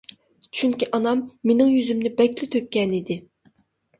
چۈنكى ئانام مېنىڭ يۈزۈمنى بەكلا تۆككەنىدى.